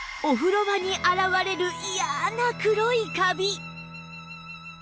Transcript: お風呂場に現れる嫌な黒いカビ